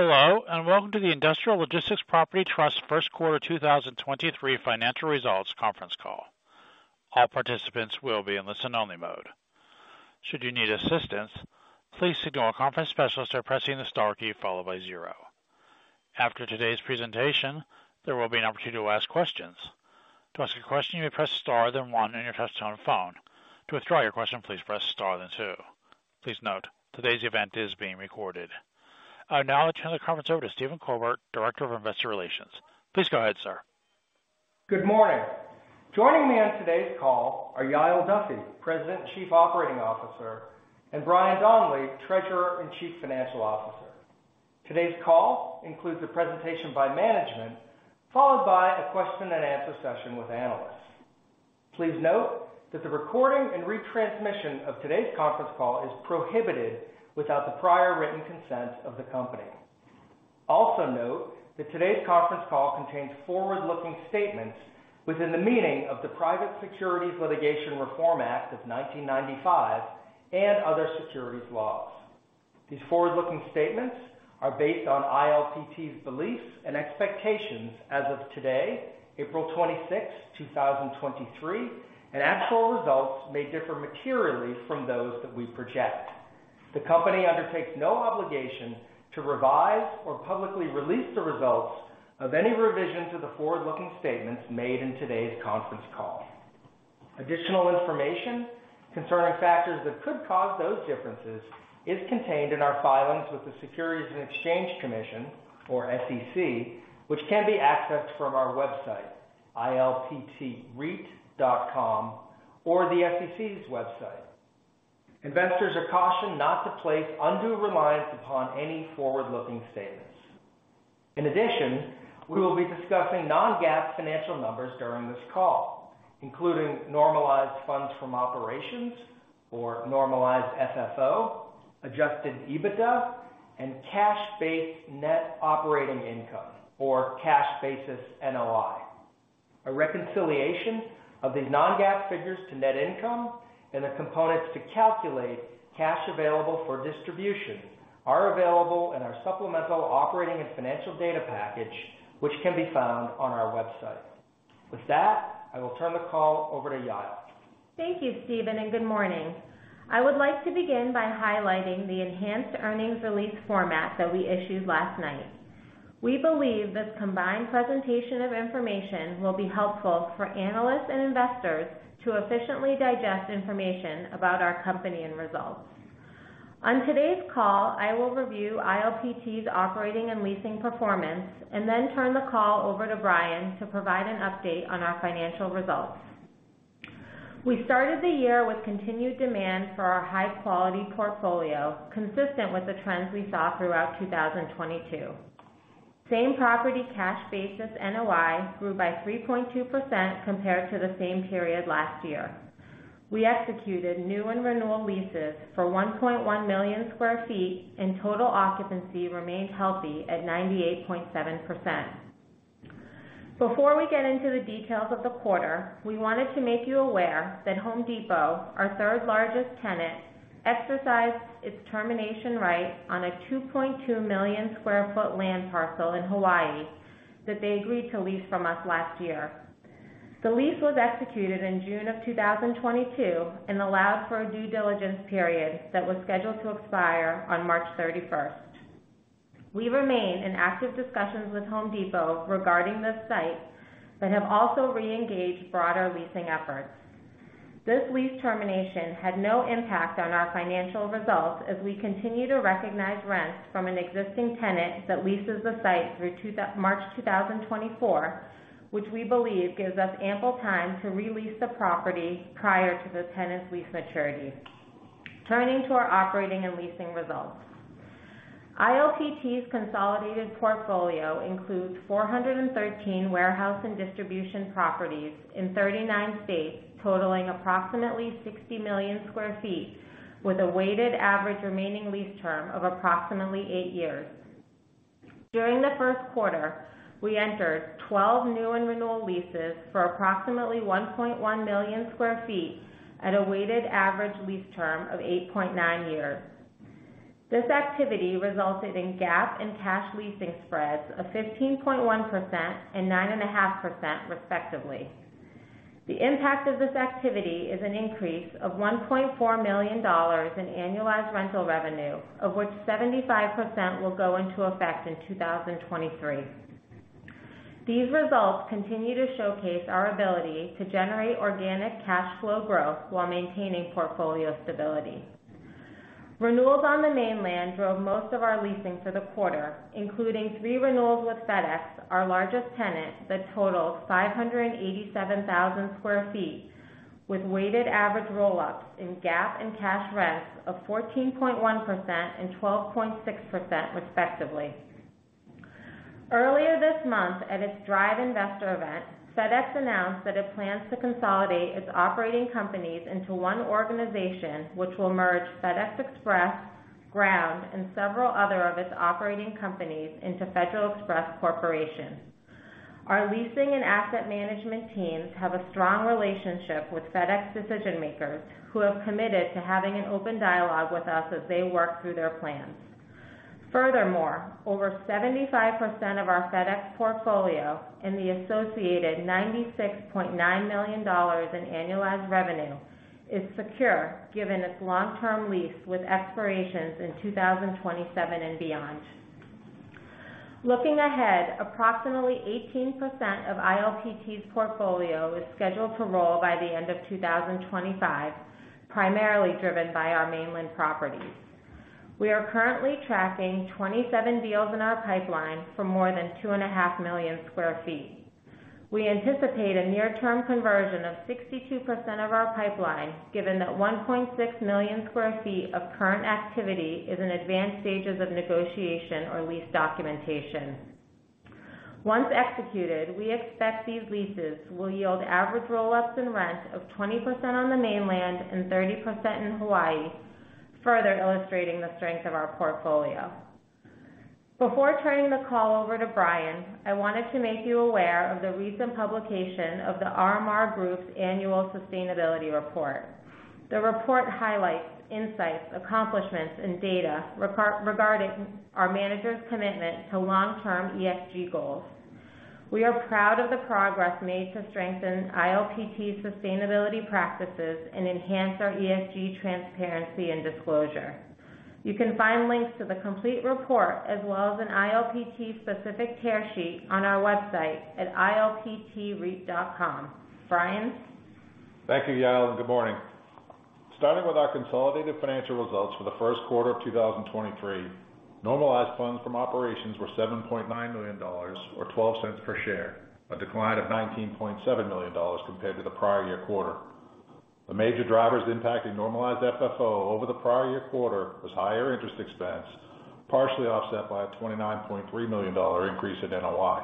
Hello, welcome to the Industrial Logistics Properties Trust Q1 2023 Financial Results Conference Call. All participants will be in listen only mode. Should you need assistance, please signal a conference specialist by pressing the star key followed by zero. After today's presentation, there will be an opportunity to ask questions. To ask a question, you may press star then one on your touchtone phone. To withdraw your question, please press star then two. Please note, today's event is being recorded. I will now turn the conference over to Stephen Colbert, Director of Investor Relations. Please go ahead, sir. Good morning. Joining me on today's call are Yael Duffy, President and Chief Operating Officer, and Brian Donley, Treasurer and Chief Financial Officer. Today's call includes a presentation by management, followed by a question and answer session with analysts. Please note that the recording and retransmission of today's conference call is prohibited without the prior written consent of the company. Also note that today's conference call contains forward-looking statements within the meaning of the Private Securities Litigation Reform Act of 1995 and other securities laws. These forward-looking statements are based on ILPT's beliefs and expectations as of today, April 26, 2023, and actual results may differ materially from those that we project. The company undertakes no obligation to revise or publicly release the results of any revisions of the forward-looking statements made in today's conference call. Additional information concerning factors that could cause those differences is contained in our filings with the Securities and Exchange Commission, or SEC, which can be accessed from our website, ilptreit.com, or the SEC's website. Investors are cautioned not to place undue reliance upon any forward-looking statements. In addition, we will be discussing non-GAAP financial numbers during this call, including normalized funds from operations or normalized FFO, Adjusted EBITDA and cash-based net operating income, or cash basis NOI. A reconciliation of these non-GAAP figures to net income and the components to calculate cash available for distribution are available in our supplemental operating and financial data package, which can be found on our website. With that, I will turn the call over to Yael. Thank you, Stephen. Good morning. I would like to begin by highlighting the enhanced earnings release format that we issued last night. We believe this combined presentation of information will be helpful for analysts and investors to efficiently digest information about our company and results. On today's call, I will review ILPT's operating and leasing performance and then turn the call over to Brian to provide an update on our financial results. We started the year with continued demand for our high-quality portfolio, consistent with the trends we saw throughout 2022. Same property cash basis NOI grew by 3.2% compared to the same period last year. We executed new and renewal leases for 1.1 million sq ft. Total occupancy remained healthy at 98.7%. Before we get into the details of the quarter, we wanted to make you aware that Home Depot, our third largest tenant, exercised its termination right on a 2.2 million sq ft land parcel in Hawaii that they agreed to lease from us last year. The lease was executed in June 2022 and allowed for a due diligence period that was scheduled to expire on March 31. We remain in active discussions with Home Depot regarding this site but have also re-engaged broader leasing efforts. This lease termination had no impact on our financial results as we continue to recognize rents from an existing tenant that leases the site through March 2024, which we believe gives us ample time to re-lease the property prior to the tenant's lease maturity. Turning to our operating and leasing results. ILPT's consolidated portfolio includes 413 warehouse and distribution properties in 39 states, totaling approximately 60 million sq ft with a weighted average remaining lease term of approximately eight years. During the Q1, we entered 12 new and renewal leases for approximately 1.1 million sq ft at a weighted average lease term of eight point nine years. This activity resulted in GAAP and cash leasing spreads of 15.1% and 9.5% respectively. The impact of this activity is an increase of $1.4 million in annualized rental revenue, of which 75% will go into effect in 2023. These results continue to showcase our ability to generate organic cash flow growth while maintaining portfolio stability. Renewals on the mainland drove most of our leasing for the quarter, including three renewals with FedEx, our largest tenant, that totaled 587,000 sq ft with weighted average roll-ups in GAAP and cash rents of 14.1% and 12.6% respectively. Earlier this month at its DRIVE investor event, FedEx announced that it plans to consolidate its operating companies into one organization which will merge FedEx Express, Ground, and several other of its operating companies into Federal Express Corporation. Our leasing and asset management teams have a strong relationship with FedEx decision-makers who have committed to having an open dialogue with us as they work through their plans. Furthermore, over 75% of our FedEx portfolio and the associated $96.9 million in annualized revenue is secure given its long-term lease with expirations in 2027 and beyond. Looking ahead, approximately 18% of ILPT's portfolio is scheduled to roll by the end of 2025, primarily driven by our mainland properties. We are currently tracking 27 deals in our pipeline for more than 2.5 million sq ft. We anticipate a near-term conversion of 62% of our pipeline, given that 1.6 million sq ft of current activity is in advanced stages of negotiation or lease documentation. Once executed, we expect these leases will yield average roll-ups in rent of 20% on the mainland and 30% in Hawaii, further illustrating the strength of our portfolio. Before turning the call over to Brian, I wanted to make you aware of the recent publication of The RMR Group's annual sustainability report. The report highlights insights, accomplishments, and data regarding our manager's commitment to long-term ESG goals. We are proud of the progress made to strengthen ILPT's sustainability practices and enhance our ESG transparency and disclosure. You can find links to the complete report as well as an ILPT specific tear sheet on our website at ilptreit.com. Brian. Thank you, Yael. Good morning. Starting with our consolidated financial results for the Q1 of 2023, normalized funds from operations were $7.9 million or $0.12 per share, a decline of $19.7 million compared to the prior-year quarter. The major drivers impacting normalized FFO over the prior-year quarter was higher interest expense, partially offset by a $29.3 million increase in NOI.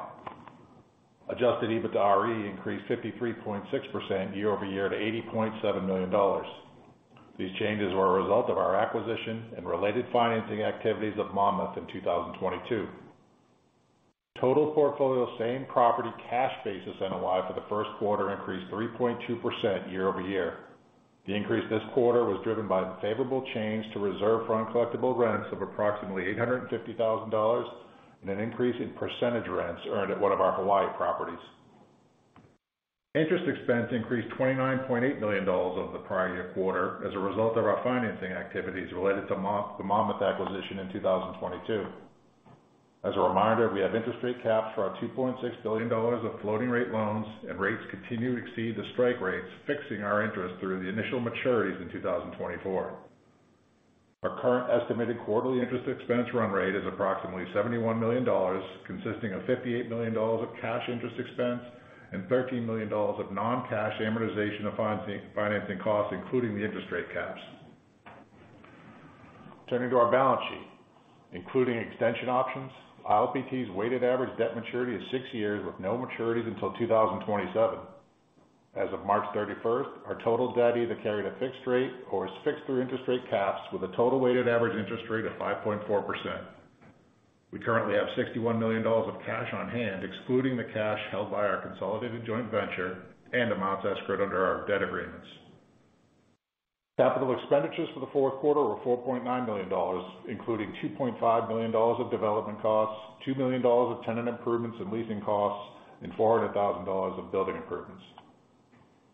Adjusted EBITDAre increased 53.6% year-over-year to $80.7 million. These changes were a result of our acquisition and related financing activities of Monmouth in 2022. Total portfolio same property cash basis NOI for the Q1 increased 3.2% year-over-year. The increase this quarter was driven by favorable change to reserve for uncollectible rents of approximately $850,000 and an increase in percentage rents earned at one of our Hawaii properties. Interest expense increased $29.8 million over the prior year quarter as a result of our financing activities related to the Monmouth acquisition in 2022. As a reminder, we have interest rate caps for our $2.6 billion of floating rate loans and rates continue to exceed the strike rates, fixing our interest through the initial maturities in 2024. Our current estimated quarterly interest expense run rate is approximately $71 million, consisting of $58 million of cash interest expense and $13 million of non-cash amortization of financing costs, including the interest rate caps. Turning to our balance sheet, including extension options, ILPT's weighted average debt maturity is six years with no maturities until 2027. As of March 31, our total debt either carried a fixed rate or is fixed through interest rate caps with a total weighted average interest rate of 5.4%. We currently have $61 million of cash on hand, excluding the cash held by our consolidated joint venture and amounts escrowed under our debt agreements. Capital expenditures for the Q4 were $4.9 million, including $2.5 million of development costs, $2 million of tenant improvements and leasing costs, and $400,000 of building improvements.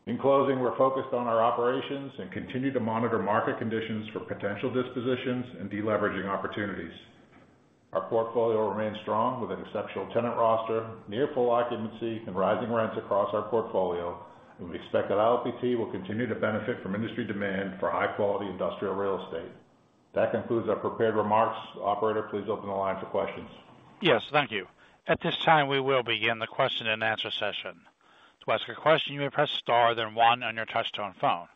In closing, we're focused on our operations and continue to monitor market conditions for potential dispositions and deleveraging opportunities. Our portfolio remains strong with an exceptional tenant roster, near full occupancy, and rising rents across our portfolio, and we expect that ILPT will continue to benefit from industry demand for high quality industrial real estate. That concludes our prepared remarks. Operator, please open the line for questions. Yes, thank you. At this time, we will begin the question and answer session. To ask a question, you may press star, then one on your touchtone phone.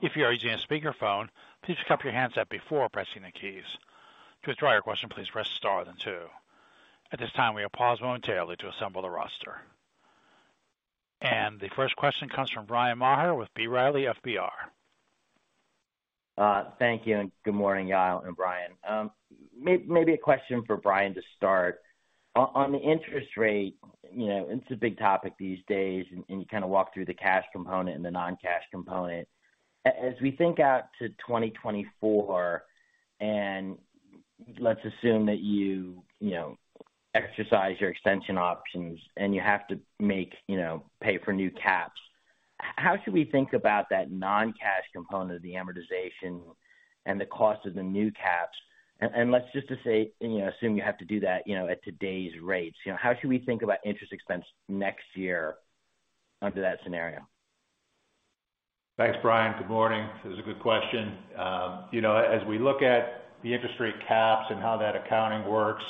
If you are using a speakerphone, please cup your handset before pressing the keys. To withdraw your question, please press star then two. At this time, we'll pause momentarily to assemble the roster. The first question comes from Bryan Maher with B. Riley FBR. Thank you, and good morning, Yael and Brian. Maybe a question for Brian to start. On the interest rate, you know, it's a big topic these days, and you kind of walk through the cash component and the non-cash component. As we think out to 2024, and let's assume that you know, exercise your extension options and you have to make, you know, pay for new caps, how should we think about that non-cash component of the amortization and the cost of the new caps? Let's just to say, you know, assume you have to do that, you know, at today's rates. You know, how should we think about interest expense next year under that scenario? Thanks, Bryan. Good morning. This is a good question. You know, as we look at the interest rate caps and how that accounting works,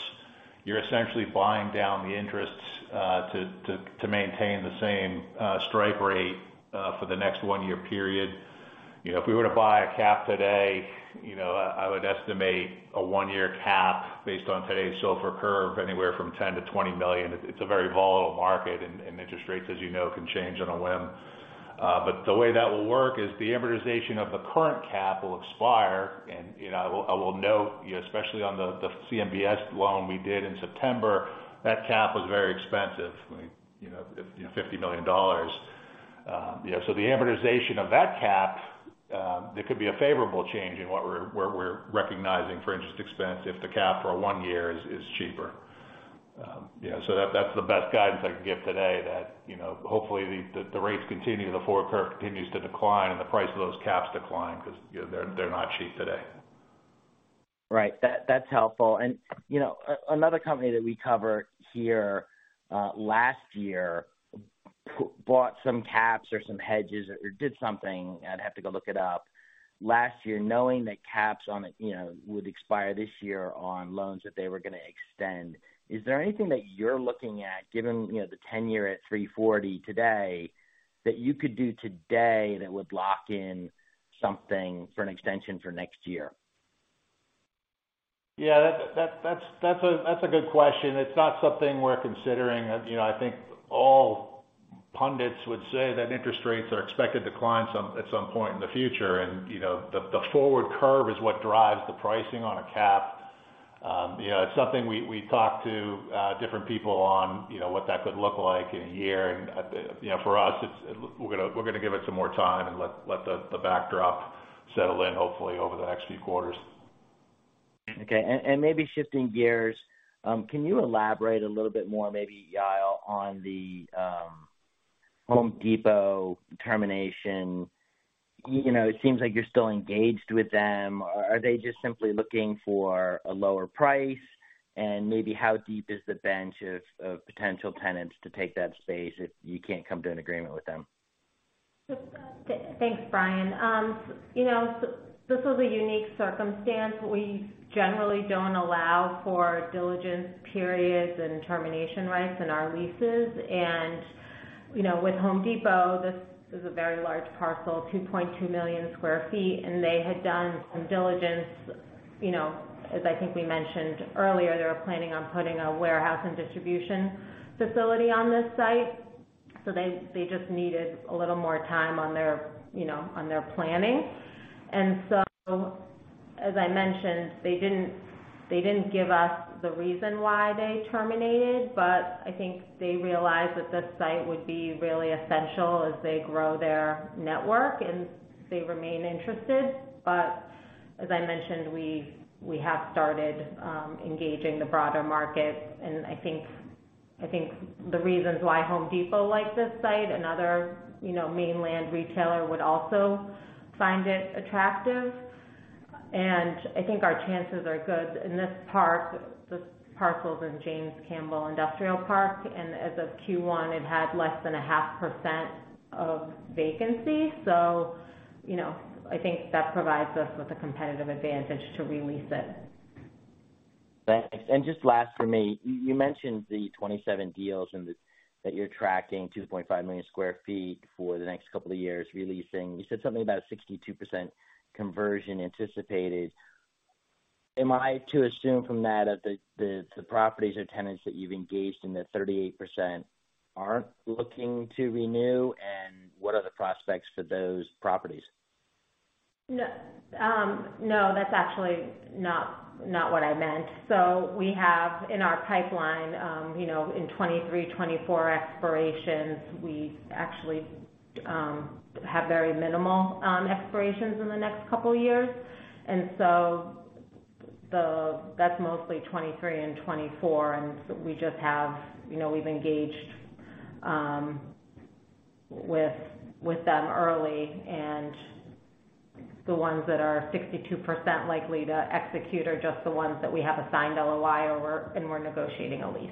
you're essentially buying down the interests to maintain the same strike rate for the next one-year period. You know, if we were to buy a cap today, you know, I would estimate a one-year cap based on today's SOFR curve, anywhere from $10 million-$20 million. It's a very volatile market, and interest rates, as you know, can change on a whim. The way that will work is the amortization of the current cap will expire. You know, I will note, especially on the CMBS loan we did in September, that cap was very expensive, you know, $50 million. You know, the amortization of that cap, there could be a favorable change in where we're recognizing for interest expense if the cap for one year is cheaper. That's the best guidance I can give today that, you know, hopefully the rates continue, the forward curve continues to decline and the price of those caps decline because, you know, they're not cheap today. Right. That, that's helpful. You know, another company that we covered here, last year bought some caps or some hedges or did something, I'd have to go look it up, last year knowing that caps on it, you know, would expire this year on loans that they were gonna extend. Is there anything that you're looking at given, you know, the 10 year at 3.40% today that you could do today that would lock in something for an extension for next year? Yeah, that's a good question. It's not something we're considering. You know, I think all pundits would say that interest rates are expected to decline at some point in the future. You know, the forward curve is what drives the pricing on a cap. You know, it's something we talk to different people on, you know, what that could look like in a year. You know, for us, it's, we're gonna give it some more time and let the backdrop settle in hopefully over the next few quarters. Okay. Maybe shifting gears, can you elaborate a little bit more maybe, Yael, on the Home Depot termination? You know, it seems like you're still engaged with them. Are they just simply looking for a lower price? Maybe how deep is the bench of potential tenants to take that space if you can't come to an agreement with them? Thanks, Bryan. You know, this was a unique circumstance. We generally don't allow for diligence periods and termination rights in our leases. You know, with Home Depot, this is a very large parcel, 2.2 million sq ft, and they had done some diligence. You know, as I think we mentioned earlier, they were planning on putting a warehouse and distribution facility on this site. They just needed a little more time on their, you know, on their planning. As I mentioned, they didn't give us the reason why they terminated, but I think they realized that this site would be really essential as they grow their network, and they remain interested. As I mentioned, we have started engaging the broader market. I think the reasons why Home Depot liked this site, another, you know, mainland retailer would also find it attractive. I think our chances are good in this park. This parcel's in James Campbell Industrial Park, and as of Q1, it had less than 0.5% of vacancy. You know, I think that provides us with a competitive advantage to re-lease it. Thanks. Just last for me. You mentioned the 27 deals and that you're tracking 2.5 million sq ft for the next couple of years releasing. You said something about a 62% conversion anticipated. Am I to assume from that the properties or tenants that you've engaged in the 38% aren't looking to renew? What are the prospects for those properties? No. No, that's actually not what I meant. We have in our pipeline, you know, in 2023, 2024 expirations. We actually have very minimal expirations in the next couple years. That's mostly 2023 and 2024. We just have, you know, we've engaged with them early. The ones that are 62% likely to execute are just the ones that we have a signed LOI or we're negotiating a lease.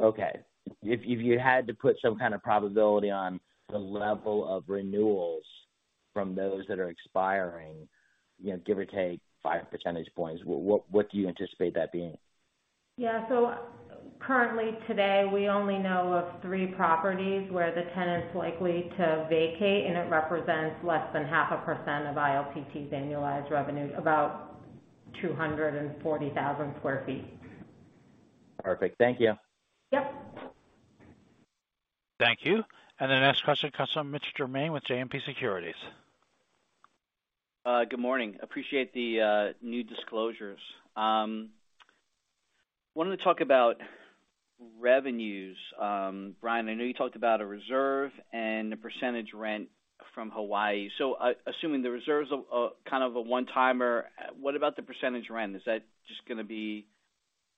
Okay. If you had to put some kind of probability on the level of renewals from those that are expiring, you know, give or take five percentage points, what do you anticipate that being? Yeah. Currently today, we only know of three properties where the tenant's likely to vacate, and it represents less than 0.5% of ILPT's annualized revenue, about 240,000 sq ft. Perfect. Thank you. Yep. Thank you. The next question comes from Mitch Germain with JMP Securities. Good morning. Appreciate the new disclosures. Wanted to talk about revenues. Brian, I know you talked about a reserve and the percentage rent from Hawaii. Assuming the reserve's a kind of a one-timer, what about the percentage rent? Is that just gonna be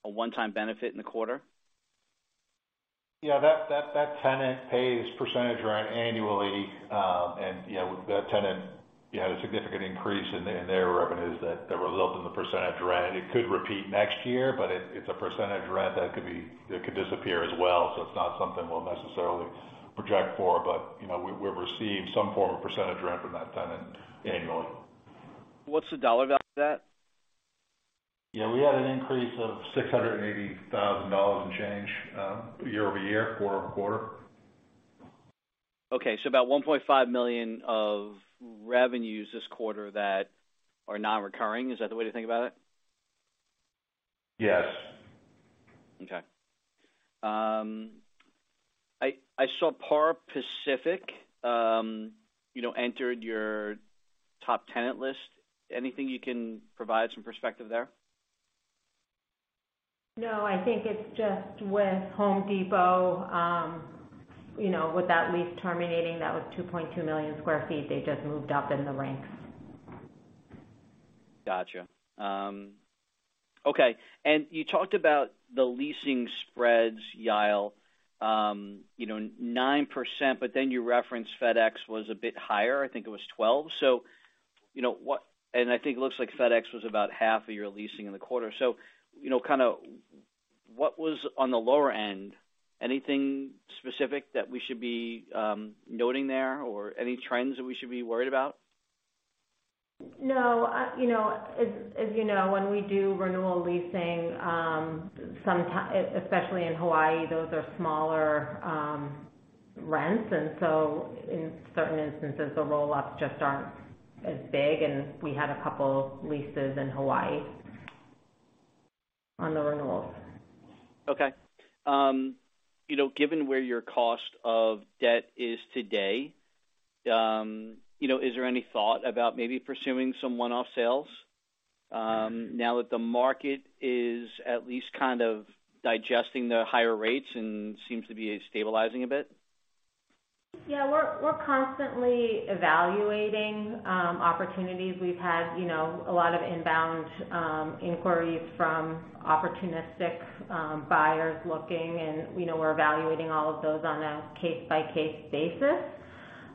a one-time benefit in the quarter? Yeah. That tenant pays percentage rent annually. You know, that tenant, you had a significant increase in their revenues that result in the percentage rent. It could repeat next year, but it's a percentage rent that could disappear as well. It's not something we'll necessarily project for, but, you know, we've received some form of percentage rent from that tenant annually. What's the dollar value of that? Yeah, we had an increase of $680,000 in change, year-over-year, quarter-over-quarter. Okay. About $1.5 million of revenues this quarter that are non-recurring. Is that the way to think about it? Yes. Okay. I saw Par Pacific, you know, entered your top tenant list. Anything you can provide some perspective there? No, I think it's just with Home Depot, you know, with that lease terminating, that was 2.2 million sq ft. They just moved up in the ranks. Gotcha. Okay. You talked about the leasing spreads, Yael, you know, 9%. You referenced FedEx was a bit higher. I think it was 12. You know, I think it looks like FedEx was about 1/2 of your leasing in the quarter. You know, kinda what was on the lower end, anything specific that we should be noting there or any trends that we should be worried about? No, you know, as you know, when we do renewal leasing, especially in Hawaii, those are smaller, rents. In certain instances, the roll-ups just aren't as big. We had a couple leases in Hawaii on the renewals. Okay. you know, given where your cost of debt is today, you know, is there any thought about maybe pursuing some one-off sales, now that the market is at least kind of digesting the higher rates and seems to be stabilizing a bit? Yeah, we're constantly evaluating opportunities. We've had, you know, a lot of inbound inquiries from opportunistic buyers looking, and, you know, we're evaluating all of those on a case-by-case basis.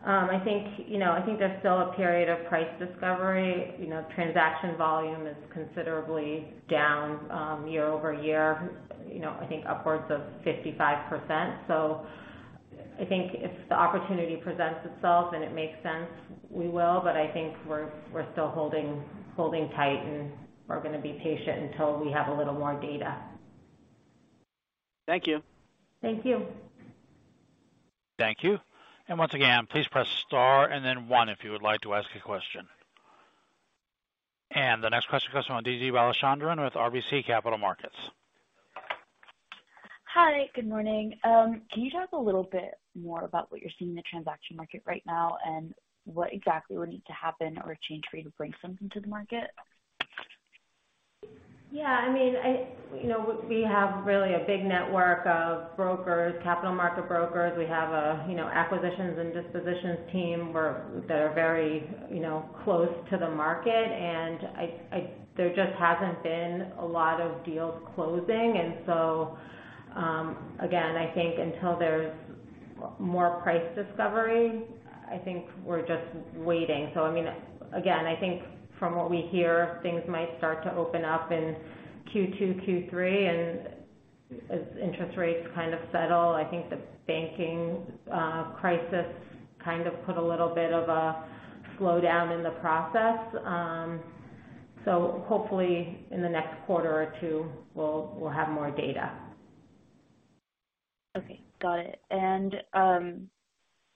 I think, you know, I think there's still a period of price discovery. You know, transaction volume is considerably down year over year, you know, I think upwards of 55%. I think if the opportunity presents itself and it makes sense, we will. I think we're still holding tight, and we're gonna be patient until we have a little more data. Thank you. Thank you. Thank you. Once again, please press star and then one if you would like to ask a question. The next question comes from DG Balachandran with RBC Capital Markets. Hi. Good morning. Can you talk a little bit more about what you're seeing in the transaction market right now and what exactly would need to happen or change for you to bring something to the market? I mean, you know, we have really a big network of brokers, capital market brokers. We have, you know, acquisitions and dispositions team. They are very, you know, close to the market. There just hasn't been a lot of deals closing. Again, I think until there's more price discovery, I think we're just waiting. I mean, again, I think from what we hear, things might start to open up in Q2, Q3, and as interest rates kind of settle. I think the banking crisis kind of put a little bit of a slowdown in the process. Hopefully in the next quarter or two quarters, we'll have more data. Okay. Got it.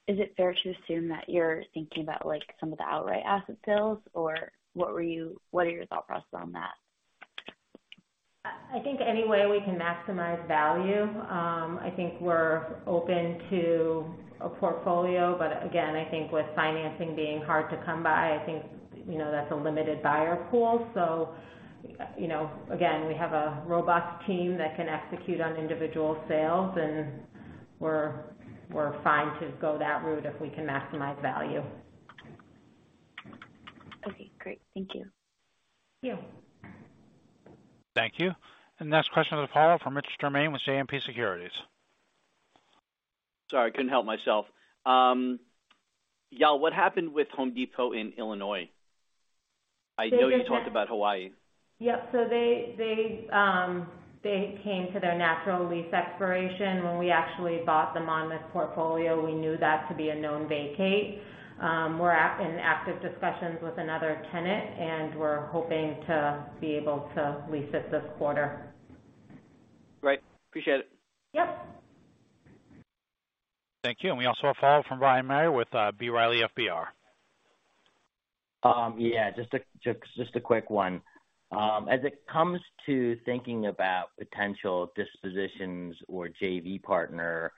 Is it fair to assume that you're thinking about, like, some of the outright asset sales, or what are your thought process on that? I think any way we can maximize value, I think we're open to a portfolio. Again, I think with financing being hard to come by, I think that's a limited buyer pool. Again, we have a robust team that can execute on individual sales, and we're fine to go that route if we can maximize value. Okay. Great. Thank you. Yeah. Thank you. The next question on the call from Mitch Germain with JMP Securities. Sorry, couldn't help myself. Yael, what happened with Home Depot in Illinois? I know you talked about Hawaii. Yep. They came to their natural lease expiration. When we actually bought the Monmouth portfolio, we knew that to be a known vacate. We're at an active discussions with another tenant, and we're hoping to be able to lease it this quarter. Great. Appreciate it. Yep. Thank you. We also have follow-up from Bryan Maher with B. Riley FBR. Yeah, just a quick one. As it comes to thinking about potential dispositions or JV partner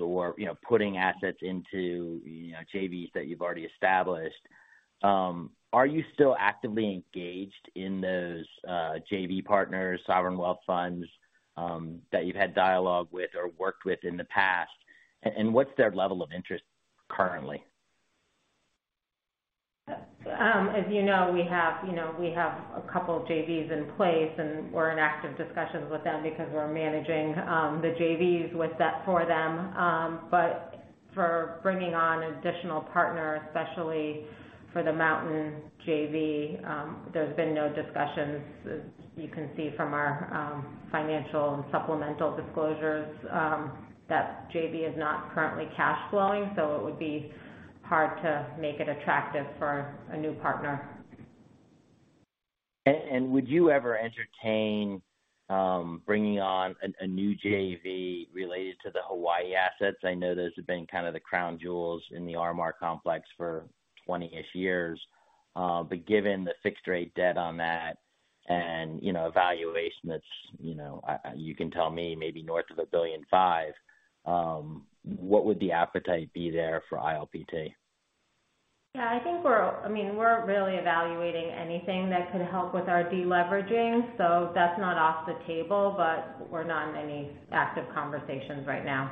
or, you know, putting assets into, you know, JVs that you've already established, are you still actively engaged in those JV partners, sovereign wealth funds that you've had dialogue with or worked with in the past? What's their level of interest currently? As you know, we have, you know, we have a couple JVs in place, and we're in active discussions with them because we're managing the JVs with that for them. For bringing on additional partners, especially for the Mountain JV, there's been no discussions. As you can see from our financial and supplemental disclosures, that JV is not currently cash flowing, so it would be hard to make it attractive for a new partner. Would you ever entertain bringing on a new JV related to the Hawaii assets? I know those have been kind of the crown jewels in the RMR complex for 20-ish years. Given the fixed rate debt on that and, you know, a valuation that's, you know, you can tell me maybe north of $1.5 billion, what would the appetite be there for ILPT? Yeah, I think we're, I mean, we're really evaluating anything that could help with our de-leveraging, so that's not off the table, but we're not in any active conversations right now.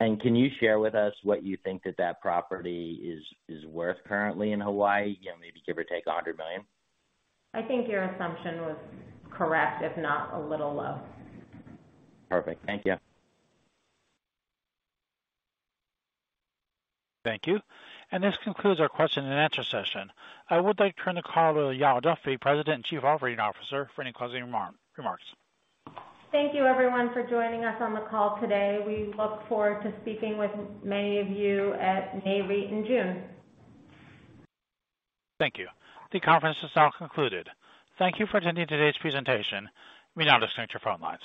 Can you share with us what you think that property is worth currently in Hawaii, you know, maybe give or take $100 million? I think your assumption was correct, if not a little low. Perfect. Thank you. Thank you. This concludes our question and answer session. I would like to turn the call to Yael Duffy, President and Chief Operating Officer, for any closing remarks. Thank you everyone for joining us on the call today. We look forward to speaking with many of you at NAREIT in June. Thank you. The conference is now concluded. Thank you for attending today's presentation. You may now disconnect your phone lines.